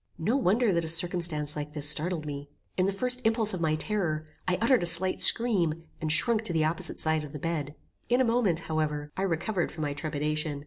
No wonder that a circumstance like this startled me. In the first impulse of my terror, I uttered a slight scream, and shrunk to the opposite side of the bed. In a moment, however, I recovered from my trepidation.